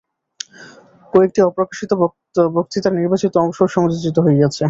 কয়েকটি অপ্রকাশিত বক্তৃতার নির্বাচিত অংশও সংযোজিত হইয়াছে।